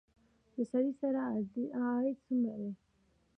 د سړي سر عاید څومره دی؟